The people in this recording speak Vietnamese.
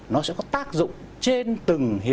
nó sẽ có tác dụng